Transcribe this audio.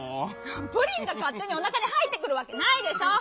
プリンがかっ手におなかにはいってくるわけないでしょ！